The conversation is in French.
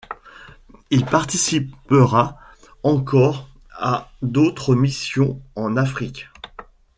Il participera encore à d'autres missions en Afrique.